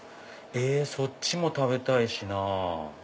そっちも食べたいしなぁ。